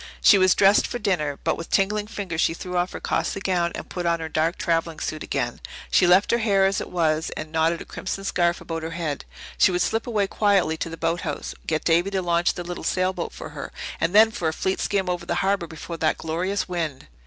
She was dressed for dinner, but with tingling fingers she threw off her costly gown and put on her dark travelling suit again. She left her hair as it was and knotted a crimson scarf about her head. She would slip away quietly to the boathouse, get Davy to launch the little sailboat for her and then for a fleet skim over the harbour before that glorious wind!